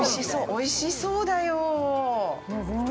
おいしそうだよ。